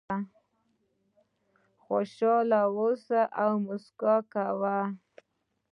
خوشاله اوسه او موسکا کوه .